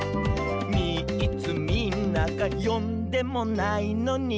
「みっつみんながよんでもないのに」